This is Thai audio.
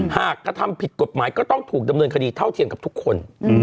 กระทำผิดกฎหมายก็ต้องถูกดำเนินคดีเท่าเทียมกับทุกคน